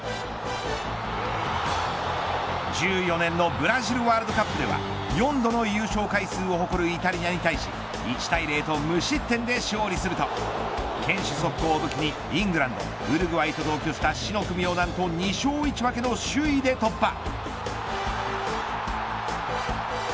１４年のブラジルワールドカップでは４度の優勝回数を誇るイタリアに対し１対０と無失点で勝利すると堅守速攻を武器にイングランドウルグアイと同居した死の組を何と２勝１分けの首位で突破。